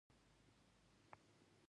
زه د رسنیو پروګرامونه تنظیموم.